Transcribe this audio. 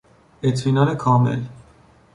اطمینان کامل